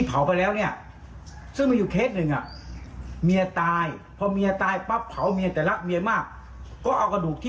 เอ้าเดี๋ยวพรุ่งนี้มาดู